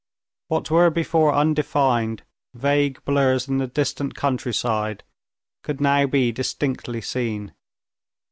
What were before undefined, vague blurs in the distant countryside could now be distinctly seen.